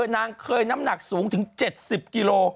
นางเคยน้ำหนักสูงถึง๗๐กิโล